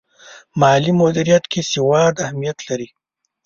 مالي مدیریت کې سواد اهمیت لري.